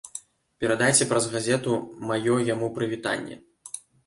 Перадайце праз газету маё яму прывітанне!